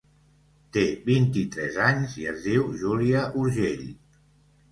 Te vint-i-tres anys i es diu Júlia Urgell.